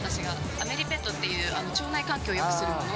アメリペットっていう腸内環境を良くするもの。